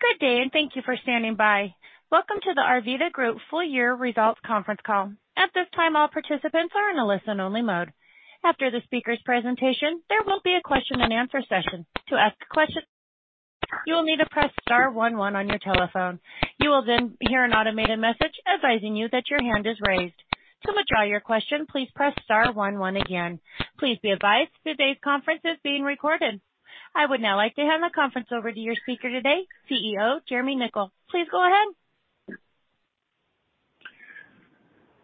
Good day, and thank you for standing by. Welcome to the Arvida Group Full Year Results Conference Call. I would now like to hand the conference over to your speaker today, CEO, Jeremy Nicoll. Please go ahead.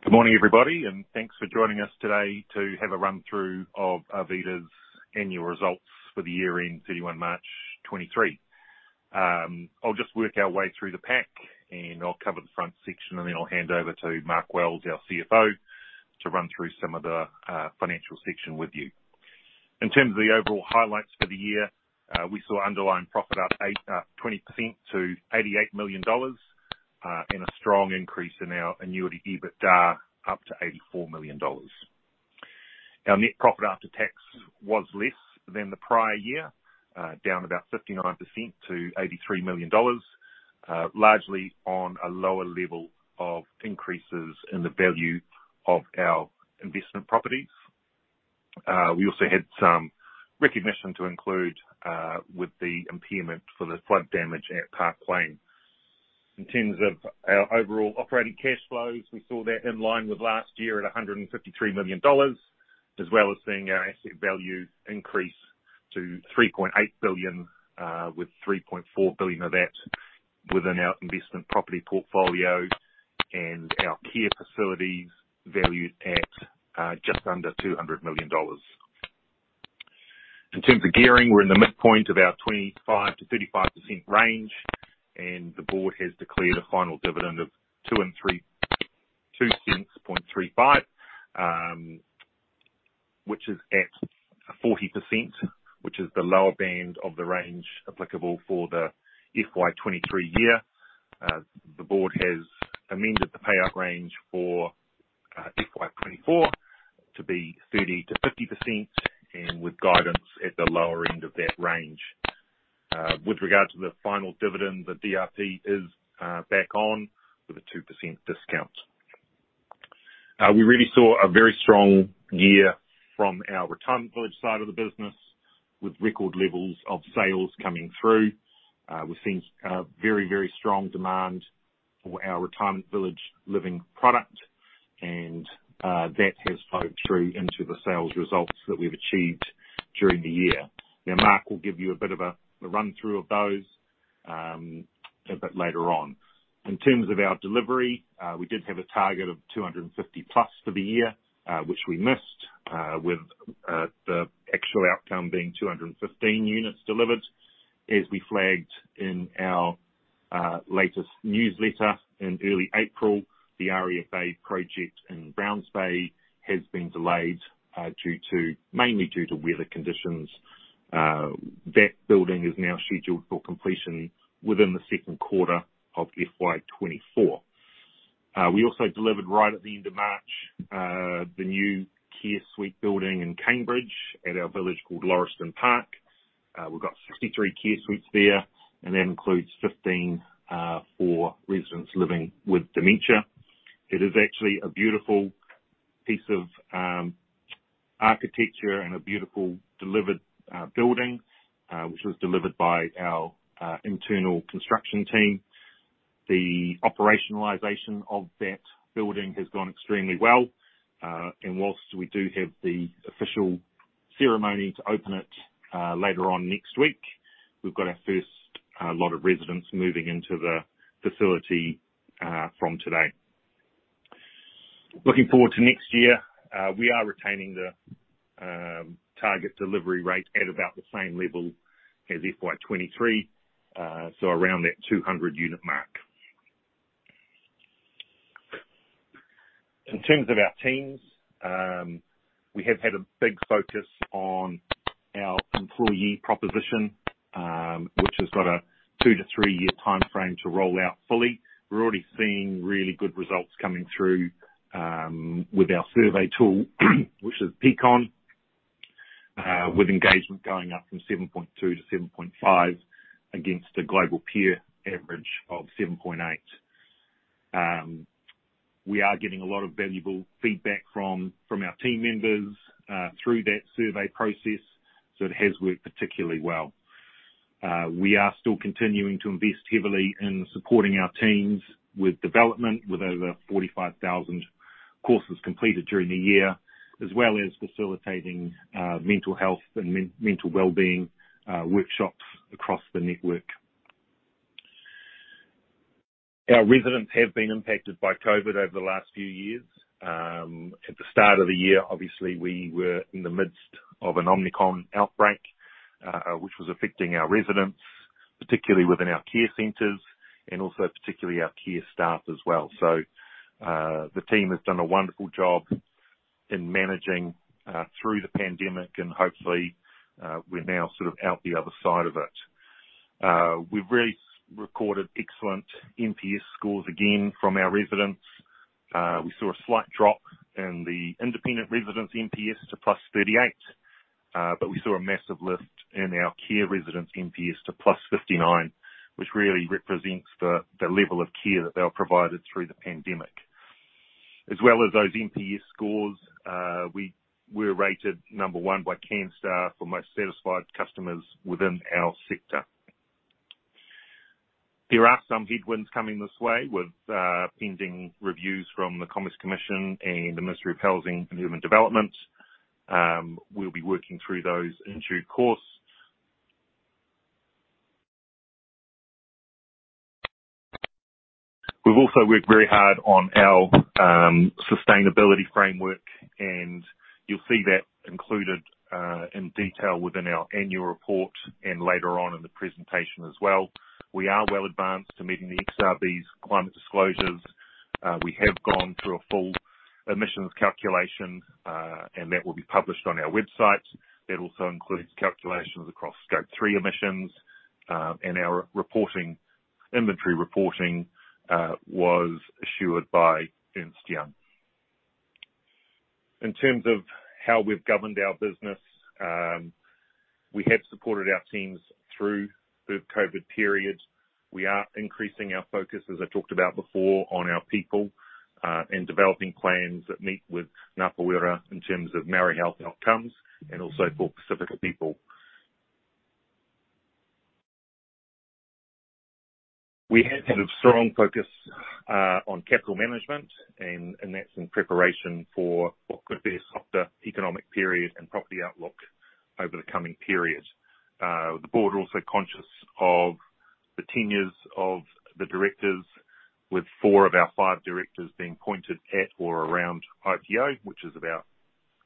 Good morning, everybody and thanks for joining us today to have a run-through of Arvida's annual results for the year ending 31 March, 2023. I'll just work our way through the pack, and I'll cover the front section, and then I'll hand over to Mark Wells, our CFO, to run through some of the financial section with you. In terms of the overall highlights for the year, we saw underlying profit up 20% to 88 million dollars, and a strong increase in our annuity, EBITDA, up to 84 million dollars. Our net profit after tax was less than the prior year, down about 59% to 83 million dollars, largely on a lower level of increases in the value of our investment properties. We also had some recognition to include with the impairment for the flood damage at Park Lane. In terms of our overall operating cash flows, we saw that in line with last year at 153 million dollars, as well as seeing our asset value increase to 3.8 billion, with 3.4 billion of that within our investment property portfolio, and our care facilities valued at just under 200 million dollars. In terms of gearing, we're in the midpoint of our 25%-35% range, and the board has declared a final dividend of 0.0235, which is at 40%, which is the lower band of the range applicable for the FY23 year. The board has amended the payout range for FY24 to be 30%-50%, and with guidance at the lower end of that range. With regard to the final dividend, the DRP is back on with a 2% discount. We really saw a very strong year from our retirement village side of the business, with record levels of sales coming through. We've seen very, very strong demand for our retirement village living product, and that has flowed through into the sales results that we've achieved during the year. Now, Mark will give you a bit of a run through of those a bit later on. In terms of our delivery, we did have a target of 250+ for the year, which we missed, with the actual outcome being 215 units delivered. As we flagged in our latest newsletter in early April, the Aria Bay project in Browns Bay has been delayed, mainly due to weather conditions. That building is now scheduled for completion within the second quarter of FY24. We also delivered right at the end of March, the new care suite building in Cambridge at our village called Lauriston Park. We've got 63 care suites there, and that includes 15 for residents living with dementia. It is actually a beautiful piece of architecture and a beautiful delivered building, which was delivered by our internal construction team. The operationalization of that building has gone extremely well, and whilst we do have the official ceremony to open it later on next week, we've got our first lot of residents moving into the facility from today. Looking forward to next year, we are retaining the target delivery rate at about the same level as FY23, so around that 200 unit mark. In terms of our teams, we have had a big focus on our employee proposition, which has got a 2-3-year timeframe to roll out fully. We're already seeing really good results coming through with our survey tool, which is Peakon, with engagement going up from 7.2-7.5 against a global peer average of 7.8. We are getting a lot of valuable feedback from our team members through that survey process, so it has worked particularly well. We are still continuing to invest heavily in supporting our teams with development, with over 45,000 courses completed during the year, as well as facilitating mental health and mental well-being workshops across the network. Our residents have been impacted by COVID over the last few years. At the start of the year, obviously, we were in the midst of an Omicron outbreak, which was affecting our residents, particularly within our care centers and also particularly our care staff as well. The team has done a wonderful job in managing through the pandemic, and hopefully, we're now sort of out the other side of it. We've really recorded excellent NPS scores again from our residents. We saw a slight drop in the independent residence NPS to +38, but we saw a massive lift in our care residence NPS to +59, which really represents the level of care that they were provided through the pandemic. As well as those NPS scores, we're rated number one by Canstar for most satisfied customers within our sector. There are some headwinds coming this way with pending reviews from the Commerce Commission and the Ministry of Housing and Urban Development. We'll be working through those in due course. We've also worked very hard on our sustainability framework, and you'll see that included in detail within our annual report, and later on in the presentation as well. We are well advanced to meeting the XRB's climate disclosures. We have gone through a full emissions calculation, and that will be published on our website. That also includes calculations across Scope 3 emissions. And our reporting, inventory reporting, was assured by Ernst & Young. In terms of how we've governed our business, we have supported our teams through the COVID period. We are increasing our focus, as I talked about before, on our people, and developing plans that meet with Ngā Pae o te Māramatanga in terms of Māori health outcomes and also for Pasifika people. We have had a strong focus on capital management, and that's in preparation for what could be a softer economic period and property outlook over the coming period. The board are also conscious of the tenures of the directors, with four of our five directors being appointed at or around IPO, which is about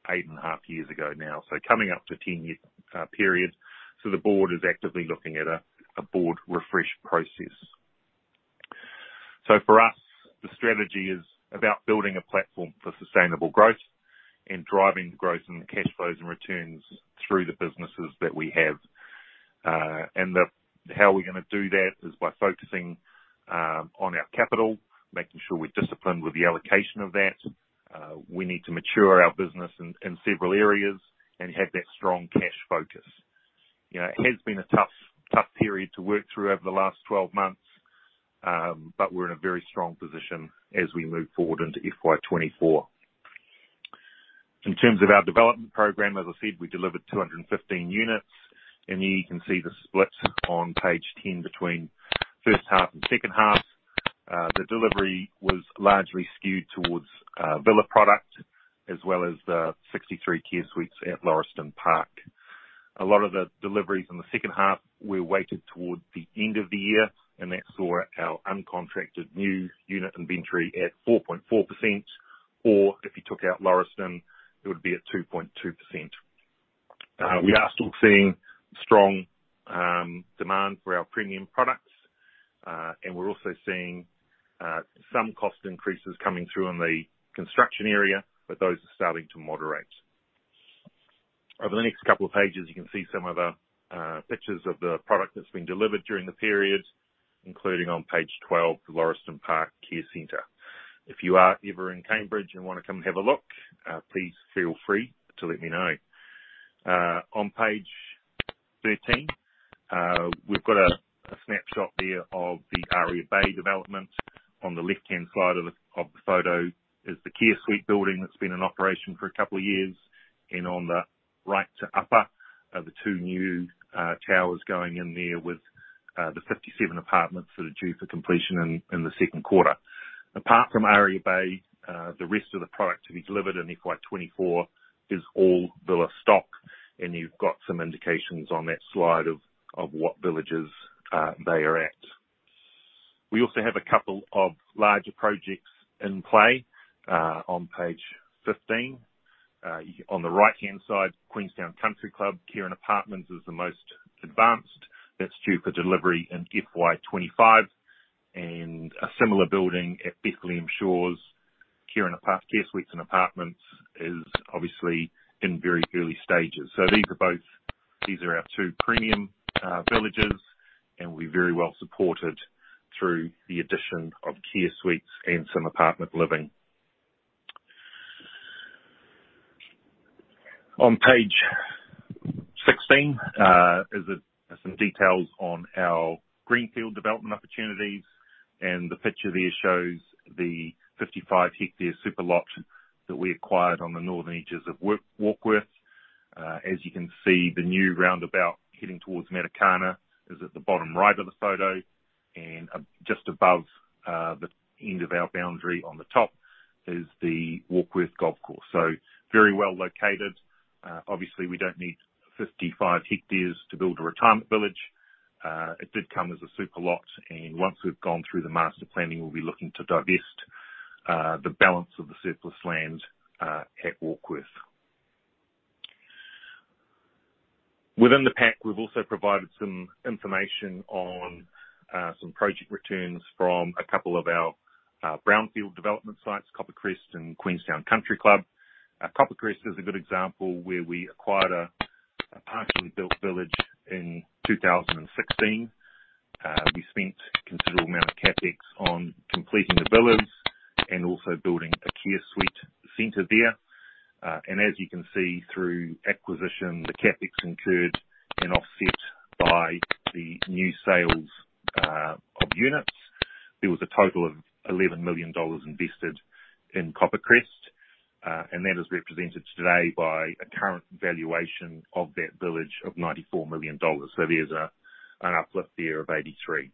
8.5 years ago now. Coming up to a 10-year period. The board is actively looking at a board refresh process. For us, the strategy is about building a platform for sustainable growth and driving the growth and the cash flows and returns through the businesses that we have. How we're gonna do that is by focusing on our capital, making sure we're disciplined with the allocation of that. We need to mature our business in several areas and have that strong cash focus. You know, it has been a tough period to work through over the last 12 months. We're in a very strong position as we move forward into FY24. In terms of our development program, as I said, we delivered 215 units, and you can see the splits on page 10 between first half and second half. The delivery was largely skewed towards villa product, as well as the 63 care suites at Lauriston Park. A lot of the deliveries in the second half were weighted towards the end of the year, and that saw our uncontracted new unit inventory at 4.4%, or if you took out Lauriston, it would be at 2.2%. We are still seeing strong demand for our premium products, and we're also seeing some cost increases coming through in the construction area, but those are starting to moderate. Over the next couple of pages, you can see some of the pictures of the product that's been delivered during the period, including on page 12, the Lauriston Park Care Center. If you are ever in Cambridge and want to come have a look, please feel free to let me know. On page 13, we've got a snapshot there of the Aria Bay development. On the left-hand side of the photo is the care suite building that's been in operation for a couple of years, and on the right to upper, are the two new towers going in there with the 57 apartments that are due for completion in the second quarter. Apart from Aria Bay, the rest of the product to be delivered in FY24 is all villa stock, and you've got some indications on that slide of what villages they are at. We also have a couple of larger projects in play. On page 15, on the right-hand side, Queenstown Country Club, care and apartments is the most advanced. That's due for delivery in FY25, and a similar building at Bethlehem Shores, care suites and apartments is obviously in very early stages. These are both... These are our two premium villages, we're very well supported through the addition of care suites and some apartment living. On page 16, some details on our greenfield development opportunities, the picture there shows the 55 hectare super lot that we acquired on the northern edges of Warkworth. As you can see, the new roundabout heading towards Matakana is at the bottom right of the photo, just above the end of our boundary on the top is the Warkworth Golf Course. Very well located. Obviously, we don't need 55 hectares to build a retirement village. It did come as a super lot, once we've gone through the master planning, we'll be looking to divest the balance of the surplus land at Warkworth. Within the pack, we've also provided some information on some project returns from a couple of our brownfield development sites, Copper Crest and Queenstown Country Club. Copper Crest is a good example where we acquired a partially built village in 2016. We spent considerable amount of CapEx on completing the villas and also building a care suite center there. As you can see through acquisition, the CapEx incurred an offset by the new sales of units. There was a total of 11 million dollars invested in Copper Crest, and that is represented today by a current valuation of that village of 94 million dollars. So there's an uplift there of 83 million.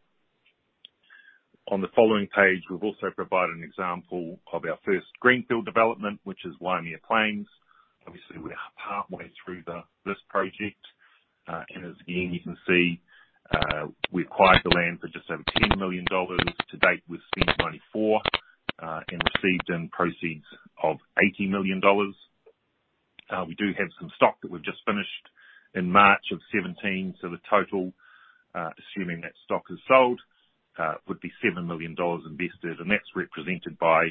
On the following page, we've also provided an example of our first greenfield development, which is Waimea Plains. Obviously, we're halfway through this project. As again, you can see, we acquired the land for just over $10 million. To date, we've spent $24 million and received in proceeds of $80 million. We do have some stock that we've just finished in March of 2017. The total, assuming that stock is sold, would be $7 million invested, and that's represented by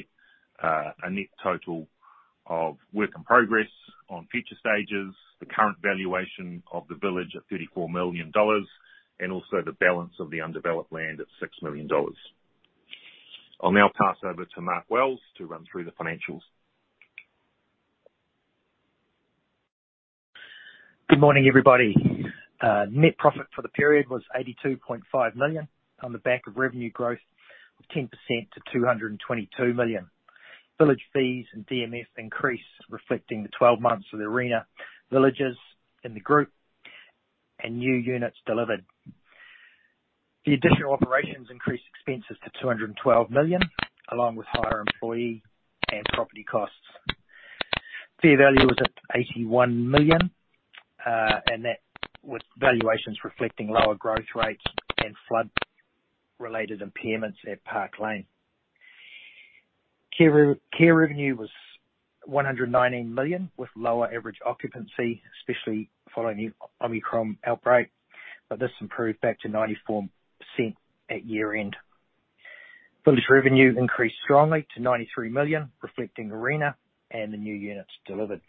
a net total of work in progress on future stages, the current valuation of the village at $34 million, and also the balance of the undeveloped land at $6 million. I'll now pass over to Mark Wells to run through the financials. Good morning, everybody. Net profit for the period was 82.5 million on the back of revenue growth of 10% to 222 million. Village fees and DMF increased, reflecting the 12 months of the Arena villages in the group and new units delivered. The additional operations increased expenses to 212 million, along with higher employee and property costs. Fair value was at 81 million, and that with valuations reflecting lower growth rates and flood-related impairments at Park Lane. Care revenue was 119 million, with lower average occupancy, especially following the Omicron outbreak, but this improved back to 94% at year-end. Village revenue increased strongly to 93 million, reflecting Arena and the new units delivered.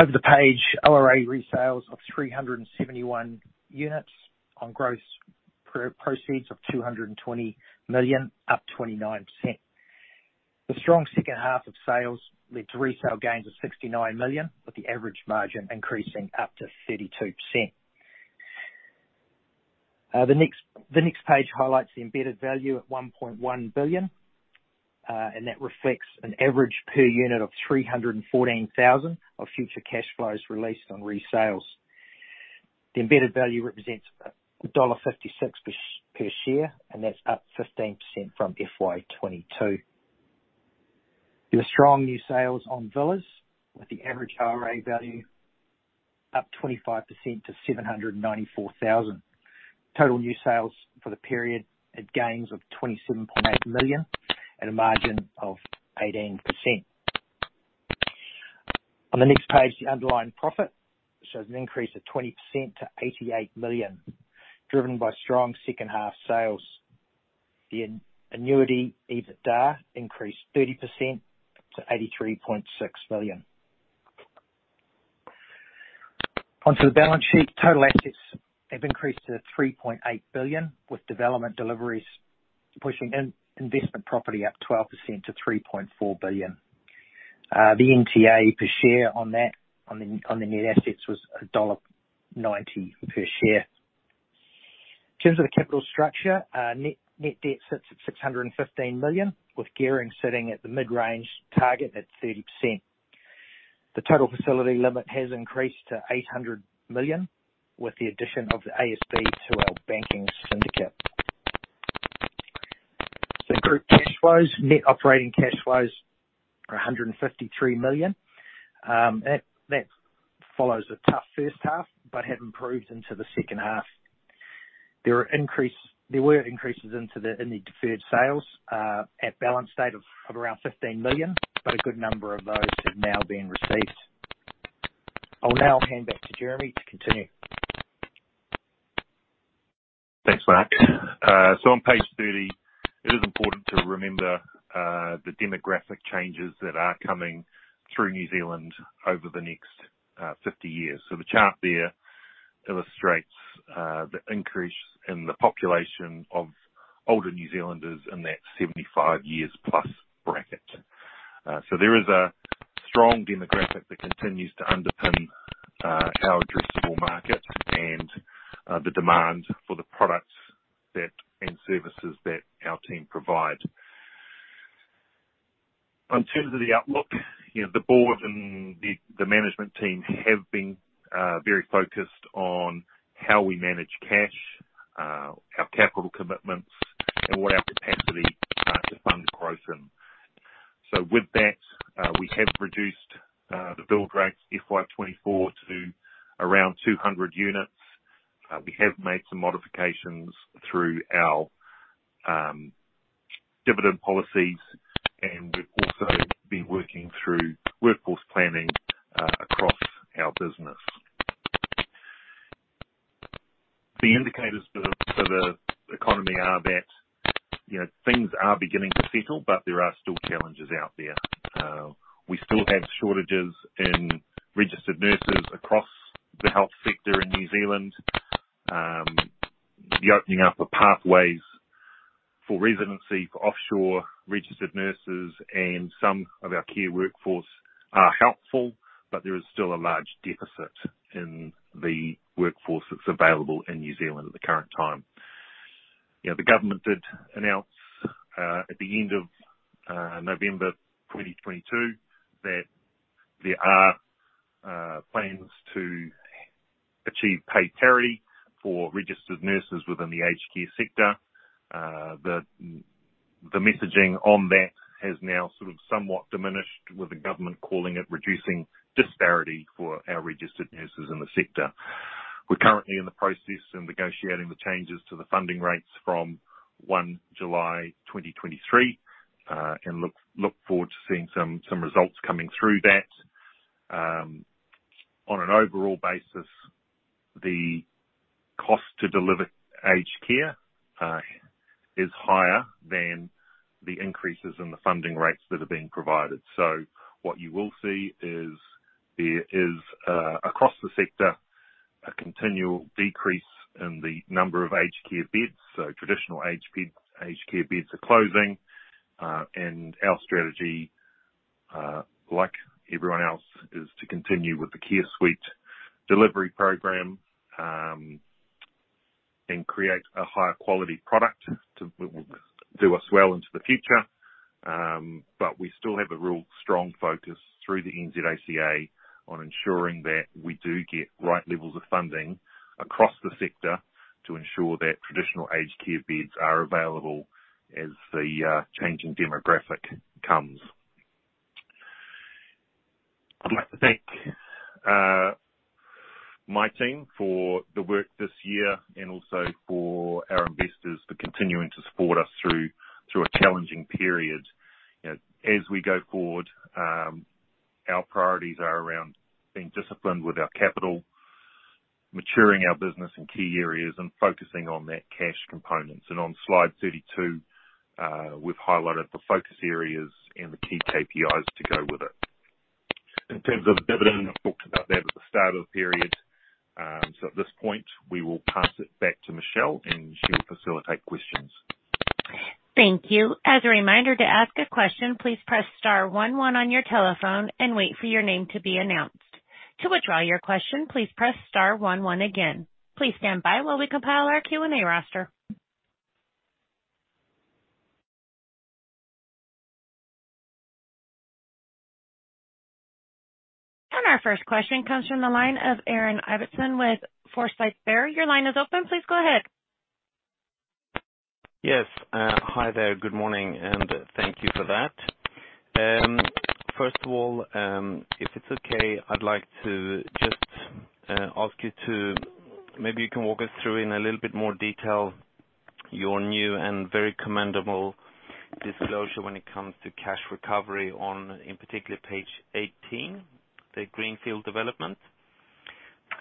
Over the page, LRA resales of 371 units on gross proceeds of 220 million, up 29%. The strong second half of sales led to resale gains of 69 million, with the average margin increasing up to 32%. The next page highlights the embedded value at 1.1 billion, and that reflects an average per unit of 314,000 of future cash flows released on resales. The embedded value represents dollar 1.56 per share, that's up 15% from FY 2022. The strong new sales on villas, with the average RA value up 25% to 794,000. Total new sales for the period at gains of 27.8 million, at a margin of 18%. On the next page, the underlying profit shows an increase of 20% to 88 million, driven by strong second half sales. The annuity EBITDA increased 30% to NZD 83.6 billion. Onto the balance sheet, total assets have increased to 3.8 billion, with development deliveries pushing investment property up 12% to 3.4 billion. The NTA per share on that, on the, on the net assets was dollar 1.90 per share. In terms of the capital structure, net debt sits at 615 million, with gearing sitting at the mid-range target at 30%. The total facility limit has increased to 800 million, with the addition of the ASB to our banking syndicate. The group cash flows, net operating cash flows are 153 million. That follows a tough first half, but have improved into the second half. There were increases into the, in the deferred sales at balance date of around 15 million, but a good number of those have now been received. I'll now hand back to Jeremy to continue. Thanks, Mark. On page 30, it is important to remember, the demographic changes that are coming through New Zealand over the next 50 years. The chart there illustrates, the increase in the population of older New Zealanders in that 75 years plus bracket. There is a strong demographic that continues to underpin, our addressable market and, the demand for the products that, and services that our team provide. In terms of the outlook, you know, the board and the management team have been very focused on how we manage cash, our capital commitments, and what our capacity are to fund growth in. With that, we have reduced the build rates FY24 to around 200 units. We have made some modifications through our dividend policies, and we've also been working through workforce planning across our business. The indicators for the economy are that, you know, things are beginning to settle, but there are still challenges out there. We still have shortages in registered nurses across the health sector in New Zealand. The opening up of pathways for residency, for offshore registered nurses and some of our care workforce are helpful, but there is still a large deficit in the workforce that's available in New Zealand at the current time. You know, the government did announce at the end of November 2022, that there are plans to achieve pay parity for registered nurses within the aged care sector. The, the messaging on that has now sort of somewhat diminished, with the government calling it reducing disparity for our registered nurses in the sector. We're currently in the process of negotiating the changes to the funding rates from July 2023, and look forward to seeing some results coming through that. On an overall basis, the cost to deliver aged care is higher than the increases in the funding rates that are being provided. What you will see is, there is across the sector, a continual decrease in the number of aged care beds. Traditional aged care beds are closing. And our strategy, like everyone else, is to continue with the care suite delivery program, and create a higher quality product do us well into the future. We still have a real strong focus through the NZACA, on ensuring that we do get right levels of funding across the sector, to ensure that traditional aged care beds are available as the changing demographic comes. I'd like to thank my team for the work this year, and also for our investors for continuing to support us through a challenging period. You know, as we go forward, our priorities are around being disciplined with our capital, maturing our business in key areas, and focusing on that cash component. On slide 32, we've highlighted the focus areas and the key KPIs to go with it. In terms of dividend, I've talked about that at the start of the period. At this point, we will pass it back to Michelle, and she'll facilitate questions. Thank you. As a reminder, to ask a question, please press star one one on your telephone and wait for your name to be announced. To withdraw your question, please press star one one again. Please stand by while we compile our Q&A roster. Our first question comes from the line of Aaron Ibbotson with Forsyth Barr. Your line is open. Please go ahead. Yes. Hi there. Good morning, and thank you for that. First of all, if it's okay, I'd like to just ask you to. Maybe you can walk us through, in a little bit more detail, your new and very commendable disclosure when it comes to cash recovery on, in particular, page 18, the greenfield development.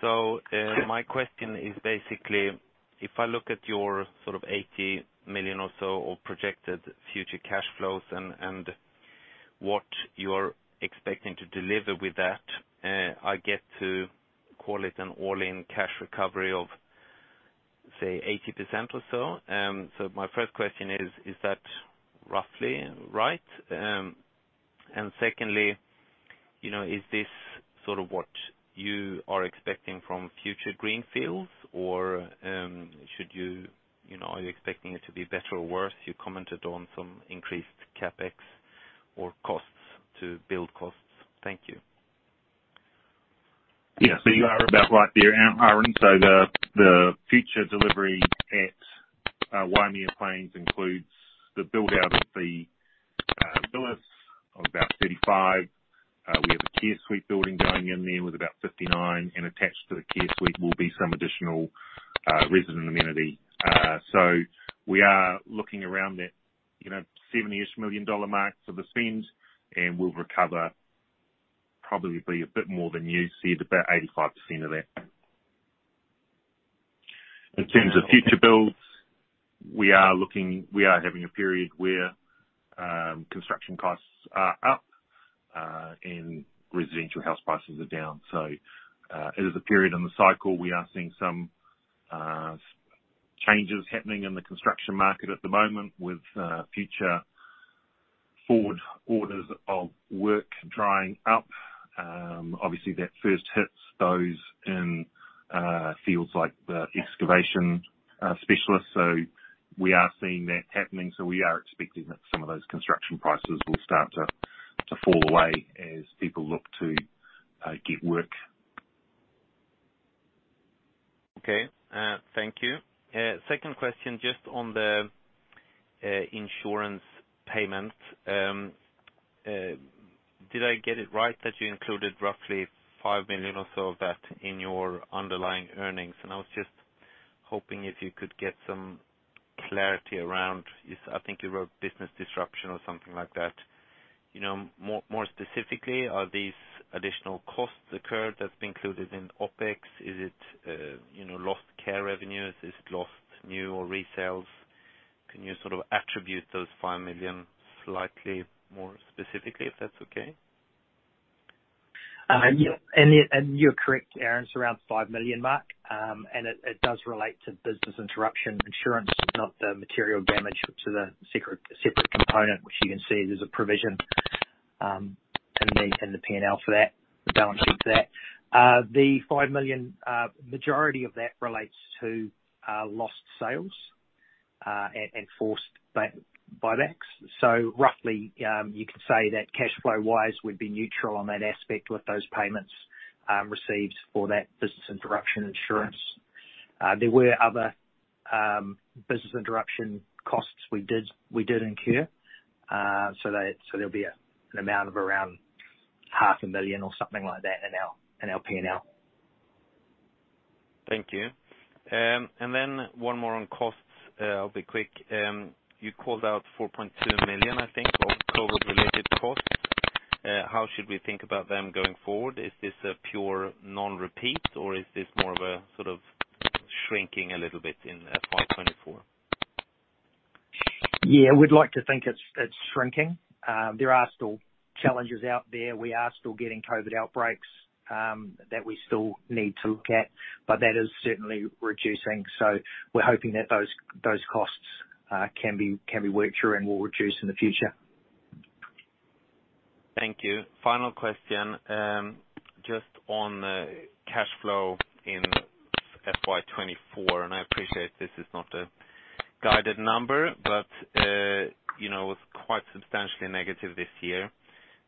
My question is basically, if I look at your sort of 80 million or so of projected future cash flows and what you're expecting to deliver with that, I get to call it an all-in cash recovery of, say, 80% or so. My first question is: Is that roughly right? Secondly, you know, is this sort of what you are expecting from future Greenfields, or, you know, are you expecting it to be better or worse? You commented on some increased CapEx or costs to build costs. Thank you. Yes, you are about right there, Aaron. The future delivery at Waimea Plains includes the build-out of the villas of about 35. We have a care suite building going in there with about 59, and attached to the care suite will be some additional resident amenities. We are looking around that, you know, 70 million dollar mark for the spend, and we'll recover probably a bit more than you said, about 85% of that. In terms of future builds, we are having a period where construction costs are up, and residential house prices are down. It is a period in the cycle. We are seeing some changes happening in the construction market at the moment with future forward orders of work drying up. Obviously, that first hits those in fields like the excavation specialists. We are seeing that happening, so we are expecting that some of those construction prices will start to fall away as people look to get work. Thank you. Second question, just on the insurance payments. Did I get it right that you included roughly five million or so of that in your underlying earnings? I was just hoping if you could get some clarity around this, I think you wrote business disruption or something like that. You know, more specifically, are these additional costs incurred that's been included in OpEx? Is it, you know, lost care revenues? Is it lost new or resales? Can you sort of attribute those five million slightly more specifically, if that's okay? And you're correct, Aaron, it's around the 5 million mark. It does relate to business interruption insurance, not the material damage to the separate component, which you can see there's a provision in the P&L for that, the balance sheet for that. The 5 million, majority of that relates to lost sales and forced buybacks. Roughly, you could say that cash flow-wise, we'd be neutral on that aspect with those payments received for that business interruption insurance. There were other business interruption costs we did incur. There'll be an amount of around half a million or something like that in our P&L. Thank you. One more on costs. I'll be quick. You called out 4.2 million, I think, of COVID-related costs. How should we think about them going forward? Is this a pure non-repeat, or is this more of a sort of shrinking a little bit in FY24? Yeah, we'd like to think it's shrinking. There are still challenges out there. We are still getting COVID outbreaks, that we still need to look at, but that is certainly reducing. We're hoping that those costs, can be, can be worked through and will reduce in the future. Thank you. Final question, just on cash flow in FY24. I appreciate this is not a guided number, you know, it was quite substantially negative this year,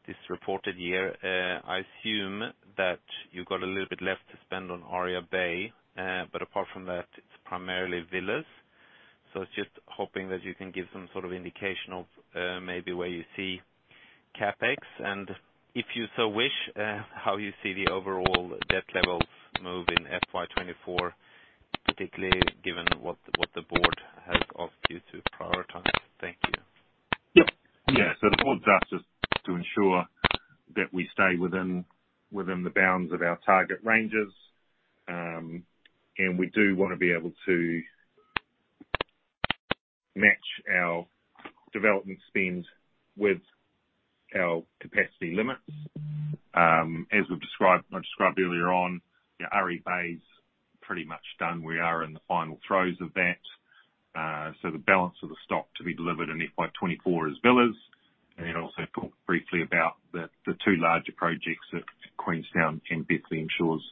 this reported year. I assume that you've got a little bit left to spend on Aria Bay, it's primarily villas. I was just hoping that you can give some sort of indication of maybe where you see CapEx, and if you so wish, how you see the overall debt levels move in FY24, particularly given what the board has asked you to prioritize? Thank you. Yep. Yeah, the board's asked us to ensure that we stay within the bounds of our target ranges. We do wanna be able to match our development spend with our capacity limits. As I described earlier on, yeah, Aria Bay's pretty much done. We are in the final throes of that. The balance of the stock to be delivered in FY24 is villas. Also talk briefly about the two larger projects at Queenstown and Bethlehem Shores.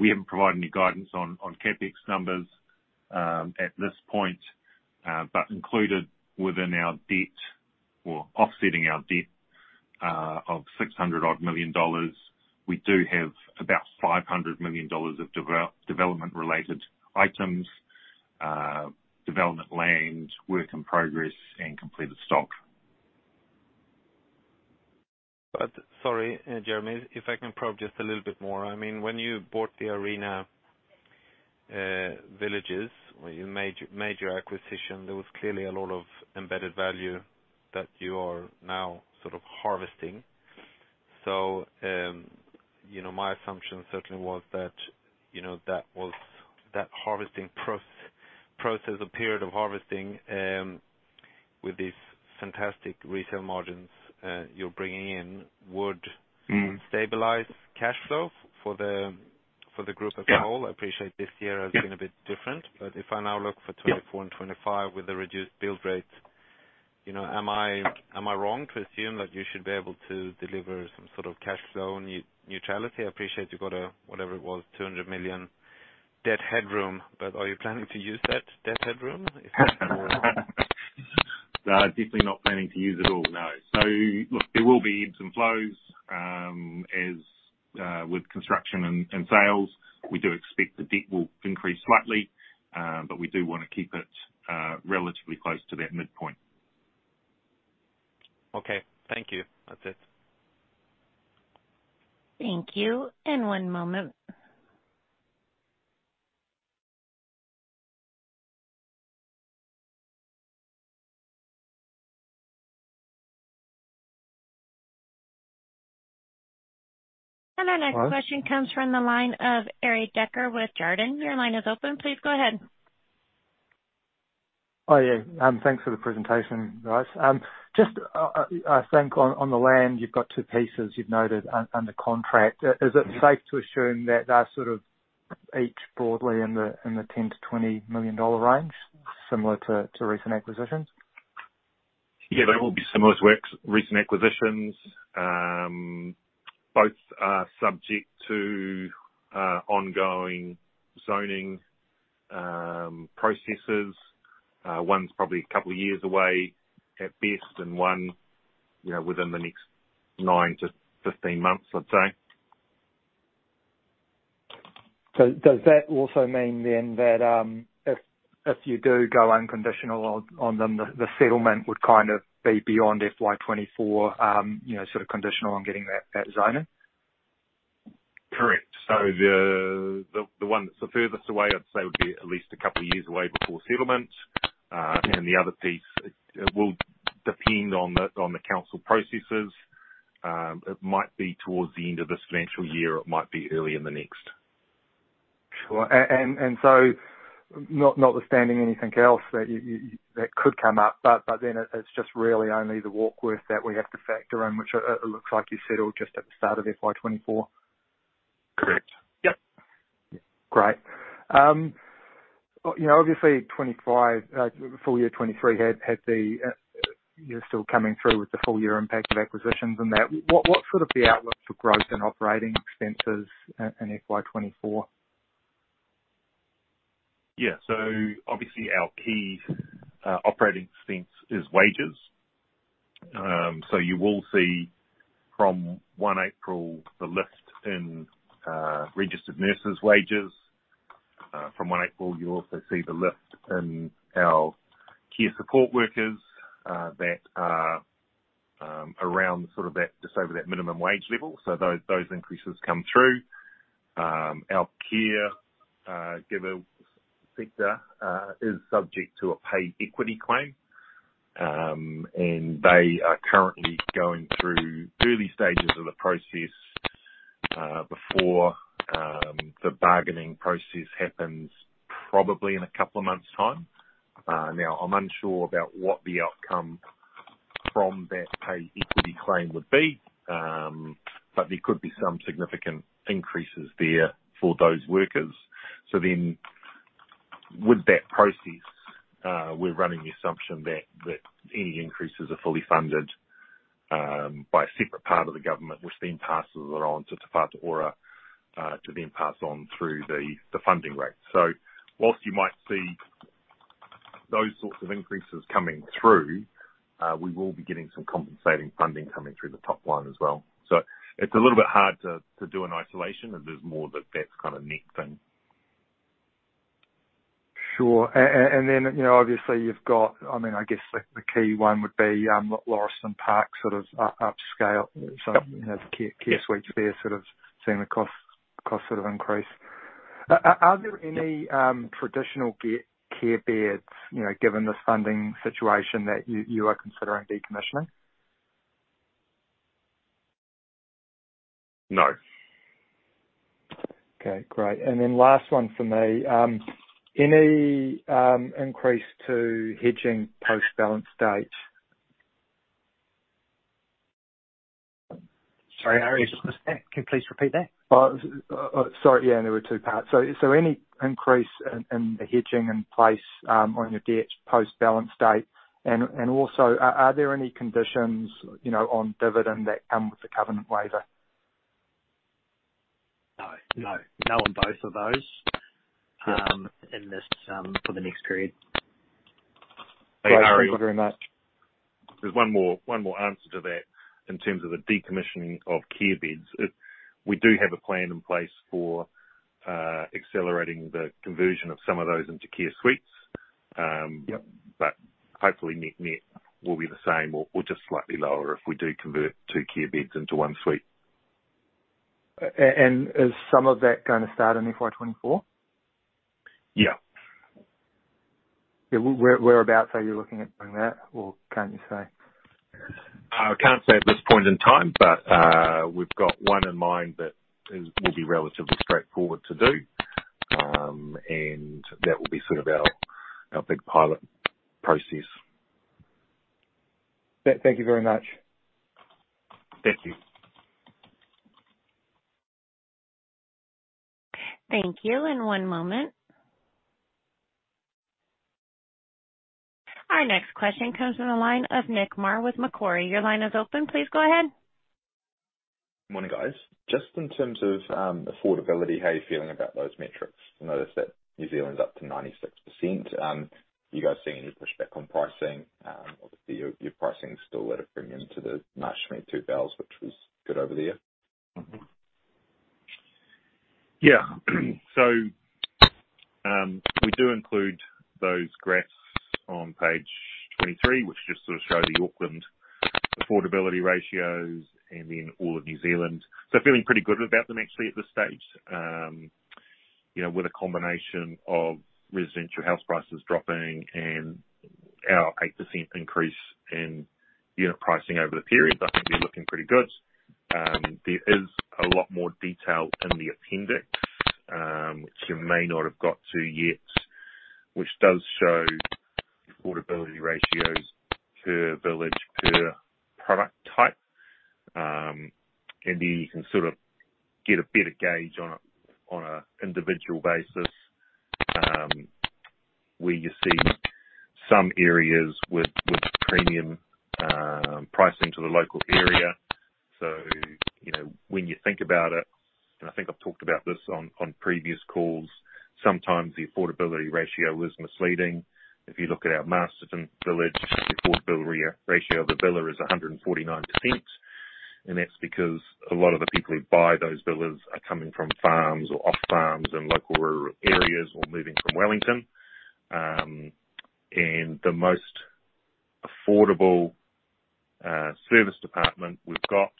We haven't provided any guidance on CapEx numbers at this point, but included within our debt or offsetting our debt, of 600 odd million, we do have about 500 million dollars of development-related items, development land, work in progress, and completed stock. Sorry, Jeremy, if I can probe just a little bit more. I mean, when you bought the Arena villages, when you made your acquisition, there was clearly a lot of embedded value that you are now sort of harvesting. you know, my assumption certainly was that, you know, That harvesting process or period of harvesting, with these fantastic resale margins, you're bringing in. Mm-hmm. stabilize cash flow for the group as a whole. Yeah. I appreciate this year. Yep has been a bit different, but if I now look for twenty-four- Yep 2025 with the reduced build rates, you know, am I wrong to assume that you should be able to deliver some sort of cash flow neutrality? I appreciate you've got a, whatever it was, 200 million debt headroom, are you planning to use that debt headroom? Definitely not planning to use it all, no. Look, there will be ebbs and flows as with construction and sales. We do expect the debt will increase slightly, but we do wanna keep it relatively close to that midpoint. Okay. Thank you. That's it. Thank you. One moment. Our next question. Hello comes from the line of Eric Decker with Jarden. Your line is open. Please go ahead. Oh, yeah. Thanks for the presentation, guys. Just, I think on the land, you've got two pieces you've noted under contract. Mm-hmm. Is it safe to assume that they're sort of each broadly in the 10 million-20 million dollar range, similar to recent acquisitions? They will be similar to recent acquisitions. Both are subject to ongoing zoning processes. One's probably a couple of years away at best, and one, you know, within the next 9-15 months, I'd say. Does that also mean then that, if you do go unconditional on them, the settlement would kind of be beyond FY24, you know, sort of conditional on getting that zoning? Correct. The one that's the furthest away, I'd say, would be at least a couple of years away before settlement. The other piece, it will depend on the council processes. It might be towards the end of this financial year, or it might be early in the next. Sure. Notwithstanding anything else that you that could come up, it's just really only the Warkworth that we have to factor in, which looks like you said all just at the start of FY24. Correct. Yep. Great. You know, obviously FY25, full year 2023 had the, you're still coming through with the full year impact of acquisitions and that. What sort of the outlook for growth and operating expenses in FY24? Yeah. Obviously our key operating expense is wages. You will see from 1 April, the lift in registered nurses' wages. From 1 April, you'll also see the lift in our care support workers that are around sort of that, just over that minimum wage level. Those increases come through. Our care giver sector is subject to a pay equity claim. They are currently going through early stages of the process before the bargaining process happens, probably in a couple of months' time. Now I'm unsure about what the outcome from that pay equity claim would be, there could be some significant increases there for those workers. With that process, we're running the assumption that any increases are fully funded by a separate part of the government, which then passes it on to Te Whatu Ora to then pass on through the funding rate. Whilst you might see those sorts of increases coming through, we will be getting some compensating funding coming through the top line as well. It's a little bit hard to do in isolation, and there's more that that's kind of net thing. Sure. You know, obviously you've got, I mean, I guess the key one would be Lauriston Park, sort of upscale. Yep. You know, care suites there, sort of seeing the cost sort of increase. Are there any traditional care beds, you know, given this funding situation that you are considering decommissioning? No. Okay, great. Last one for me. Any increase to hedging post-balance date? Sorry, I just missed that. Can you please repeat that? Sorry. Yeah, there were two parts. Any increase in the hedging in place, on your debt post-balance date? Also, are there any conditions, you know, on dividend that come with the covenant waiver? No, no. No on both of those, in this, for the next period. Thank you very much. There's one more answer to that in terms of the decommissioning of care beds. We do have a plan in place for accelerating the conversion of some of those into care suites. Yep. Hopefully net will be the same or just slightly lower if we do convert 2 care beds into 1 suite. Is some of that gonna start in FY24? Yeah. Yeah. Where, whereabouts are you looking at doing that, or can't you say? I can't say at this point in time, but we've got one in mind that will be relatively straightforward to do. That will be sort of our big pilot process. Thank you very much. Thank you. Thank you. One moment. Our next question comes from the line of Nick Mar with Macquarie. Your line is open. Please go ahead. Morning, guys. Just in terms of affordability, how are you feeling about those metrics? I noticed that New Zealand's up to 96%. Are you guys seeing any pushback on pricing? Obviously your pricing is still at a premium to the March 2022 bells, which was good over there. Yeah. We do include those graphs on page 23, which just sort of show the Auckland affordability ratios and then all of New Zealand. Feeling pretty good about them actually at this stage. You know, with a combination of residential house prices dropping and our 8% increase in unit pricing over the period, that can be looking pretty good. There is a lot more detail in the appendix, which you may not have got to yet, which does show affordability ratios per village, per product type. And there you can sort of get a better gauge on an individual basis, where you see some areas with premium pricing to the local area. You know, when you think about it, and I think I've talked about this on previous calls, sometimes the affordability ratio is misleading. If you look at our Masterton village, the affordability ratio of the villa is 149%, and that's because a lot of the people who buy those villas are coming from farms or off farms and local rural areas, or moving from Wellington. The affordable service department. We've got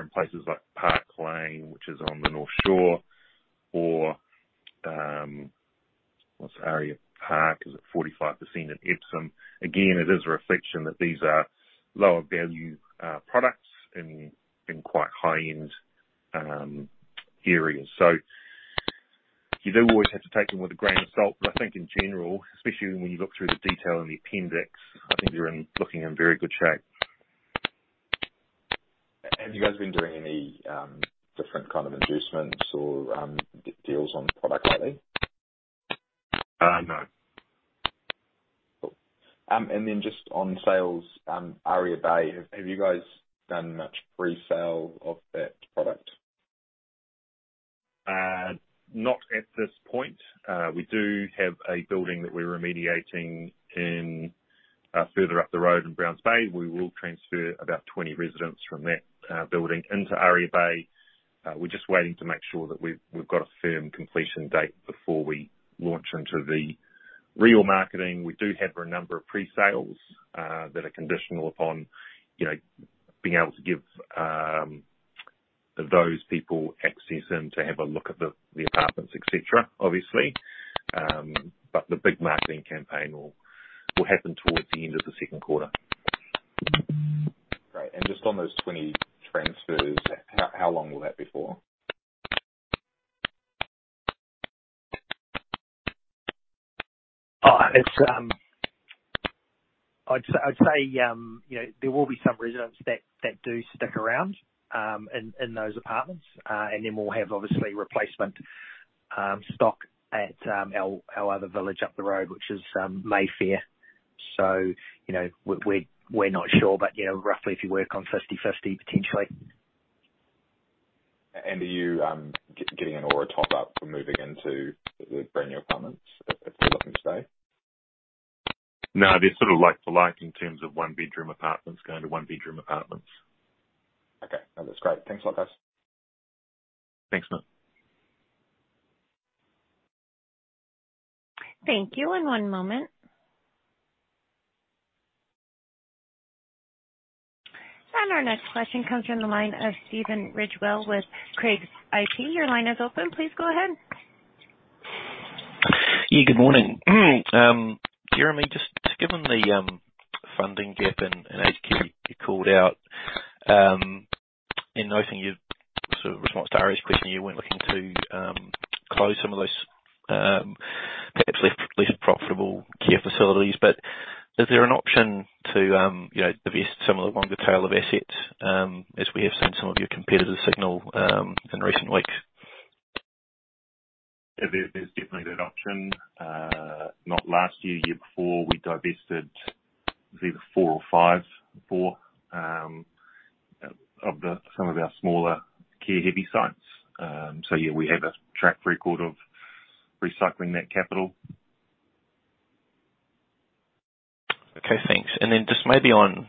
in places like Park Lane, which is on the North Shore, or what's Aria Park, is it 45% in Epsom? Again, it is a reflection that these are lower value products in quite high-end areas. You do always have to take them with a grain of salt. I think in general, especially when you look through the detail in the appendix, I think you're looking in very good shape. Have you guys been doing any, different kind of inducements or, deals on product lately? No. Cool. Just on sales, Aria Bay, have you guys done much pre-sale of that product? Not at this point. We do have a building that we're remediating in further up the road in Browns Bay. We will transfer about 20 residents from that building into Aria Bay. We're just waiting to make sure that we've got a firm completion date before we launch into the real marketing. We do have a number of pre-sales that are conditional upon, you know, being able to give those people access in to have a look at the apartments, et cetera, obviously. The big marketing campaign will happen towards the end of the second quarter. Great. Just on those 20 transfers, how long will that be for? It's, I'd say, you know, there will be some residents that do stick around in those apartments. Then we'll have obviously replacement stock at our other village up the road, which is Mayfair. You know, we're not sure, but, you know, roughly, if you work on 50/50, potentially. Are you getting an ORA top-up for moving into the brand-new apartments if they're looking to stay? No, they're sort of like for like in terms of one-bedroom apartments going to one-bedroom apartments. Okay, that's great. Thanks a lot, guys. Thanks, Matt. Thank you, and one moment. Our next question comes from the line of Stephen Ridgewell with Craigs IP. Your line is open. Please go ahead. Good morning. Jeremy, given the funding gap and ICR you called out, in noting you've sort of responded to Ari's question, you weren't looking to close some of those, perhaps less profitable care facilities. Is there an option to, you know, divest some of the longer tail of assets, as we have seen some of your competitors signal, in recent weeks? There's definitely that option. Not last year before, we divested it was either 4 or 5, 4, some of our smaller care-heavy sites. Yeah, we have a track record of recycling that capital. Thanks. Just maybe on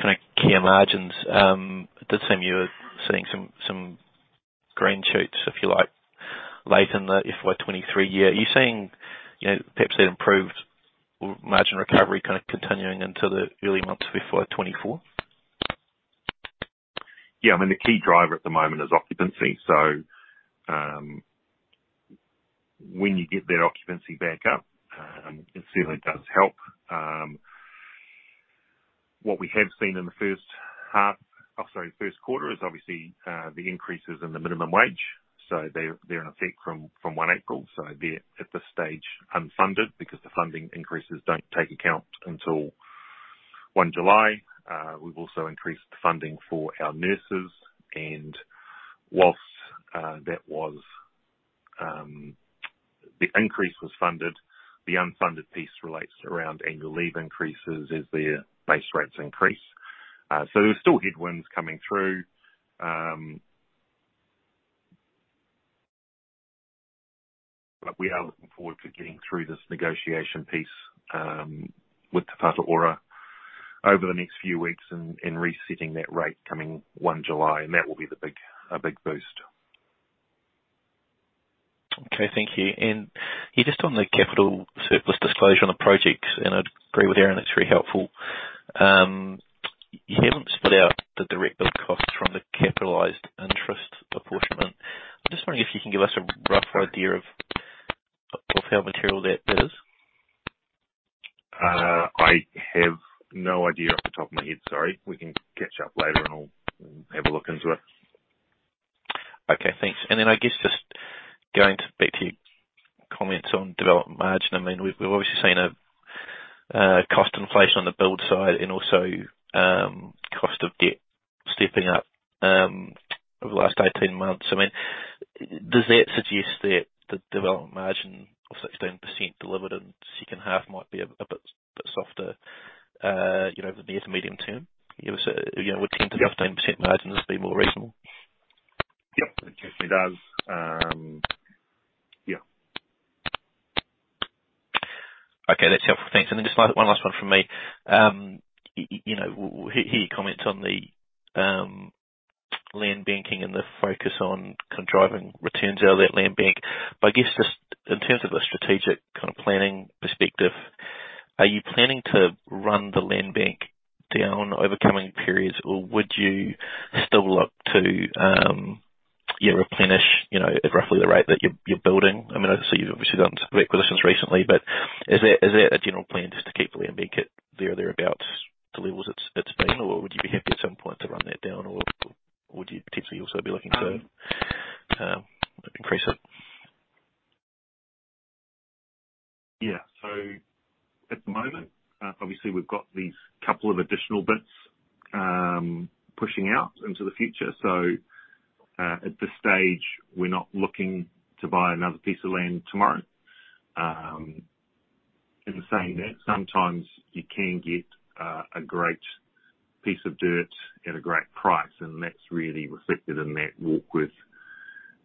kind of care margins, it did seem you were seeing some green shoots, if you like, late in the FY23 year. Are you seeing, you know, perhaps that improved margin recovery kind of continuing into the early months of FY24? Yeah, I mean, the key driver at the moment is occupancy. When you get that occupancy back up, it certainly does help. What we have seen in the 1st half, or sorry, 1st quarter, is obviously, the increases in the minimum wage. They're, they're in effect from 1 April, they're, at this stage, unfunded, because the funding increases don't take account until 1 July. We've also increased the funding for our nurses, and whilst that was, the increase was funded, the unfunded piece relates around annual leave increases as their base rates increase. There are still headwinds coming through, but we are looking forward to getting through this negotiation piece with Te Whatu Ora over the next few weeks and resetting that rate coming 1 July, and that will be a big boost. Okay, thank you. Yeah, just on the capital surplus disclosure on the projects, and I'd agree with Aaron, it's very helpful. You haven't split out the direct build costs from the capitalized interest apportionment. I'm just wondering if you can give us a rough idea of how material that is? I have no idea off the top of my head, sorry. We can catch up later, and I'll have a look into it. Okay, thanks. I guess just going back to your comments on development margin, I mean, we've obviously seen a cost inflation on the build side and also cost of debt stepping up over the last 18 months. I mean, does that suggest that the development margin of 16% delivered in the second half might be a bit softer, you know, medium to medium term? You know, so, you know, would 10%-15%? Yep. margins be more reasonable? Yep, it certainly does. Yeah. Okay, that's helpful. Thanks. Then just one last one from me. You know, hear your comments on the land banking and the focus on kind of driving returns out of that land bank. I guess just in terms of the strategic kind of planning perspective, are you planning to run the land bank down over coming periods, or would you still look to, yeah, replenish, you know, at roughly the rate that you're building? I mean, obviously, you've obviously done some acquisitions recently, but is that a general plan just to keep the land bank at there or there about the levels it's been, or would you be happy at some point to run that down, or would you potentially also be looking to increase it? At the moment, obviously we've got these couple of additional bits pushing out into the future. At this stage, we're not looking to buy another piece of land tomorrow. In the same vein, sometimes you can get a great piece of dirt at a great price, and that's really reflected in that Warkworth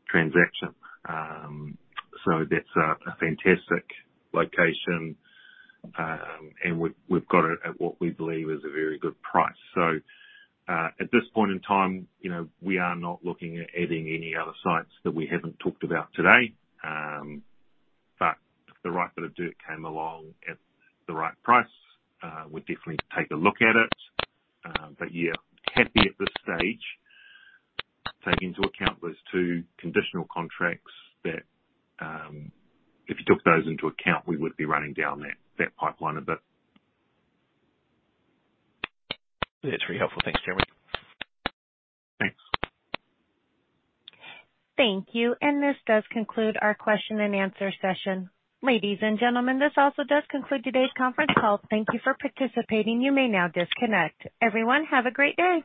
transaction. That's a fantastic location. And we've got it at what we believe is a very good price. At this point in time, you know, we are not looking at adding any other sites that we haven't talked about today. If the right bit of dirt came along at the right price, we'd definitely take a look at it. Yeah, happy at this stage. Take into account those two conditional contracts that, if you took those into account, we would be running down that pipeline a bit. That's very helpful. Thanks, Jeremy. Thanks. Thank you. This does conclude our question and answer session. Ladies and gentlemen, this also does conclude today's conference call. Thank you for participating. You may now disconnect. Everyone, have a great day!